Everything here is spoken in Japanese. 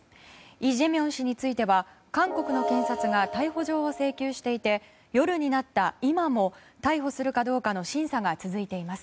イ・ジェミョン氏については韓国の検察が逮捕状を請求していて夜になった今も逮捕するかどうかの審査が続いています。